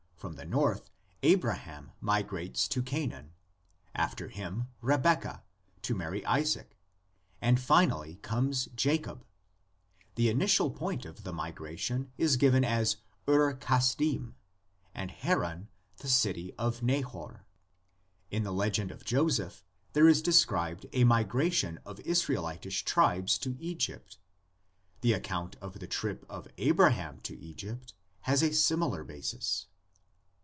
From the north Abraham migrates to Canaan, after him Rebeccah, to marry Isaac, and finally comes Jacob; the initial point of the migration is given as Ur Kasdim and Haran the city of Nahor (xxiv. lo). In the legend 22 THE LEGENDS OF GENESIS. of Joseph there is described a migration of Israel itish tribes to Egypt; the account of the trip of Abraham to Egypt has a similar basis.